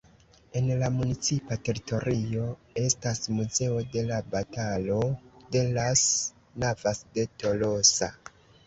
En la municipa teritorio estas Muzeo de la Batalo de las Navas de Tolosa.